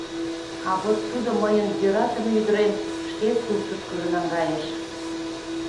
А вот тудо мыйын йӧратыме ӱдырем шке суртышкыжо наҥгайыш.